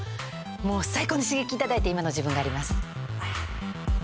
もう最高の刺激頂いて今の自分があります。